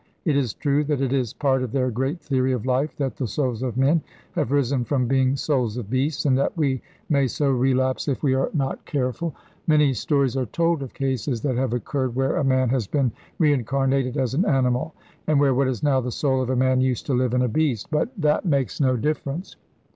It is true that it is part of their great theory of life that the souls of men have risen from being souls of beasts, and that we may so relapse if we are not careful. Many stories are told of cases that have occurred where a man has been reincarnated as an animal, and where what is now the soul of a man used to live in a beast. But that makes no difference.